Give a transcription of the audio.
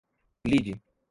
lide